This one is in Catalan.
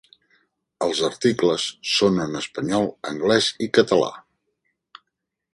Els articles són en espanyol, anglès i català.